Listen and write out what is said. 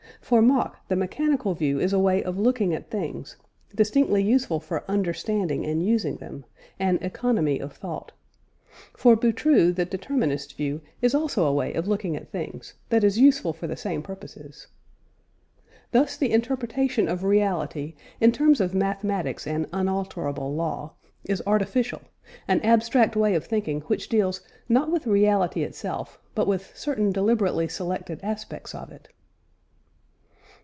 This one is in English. For Mach, the mechanical view is a way of looking at things, distinctly useful for understanding and using them an "economy of thought." For Boutroux, the determinist view is also a way of looking at things that is useful for the same purposes. Thus the interpretation of reality in terms of mathematics and "unalterable law," is artificial; an abstract way of thinking which deals not with reality itself but with certain deliberately selected aspects of it.